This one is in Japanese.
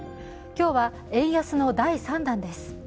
今日は円安の第３弾です。